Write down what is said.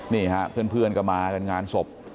นี่ฮะเพื่อนก็มากันงานศพ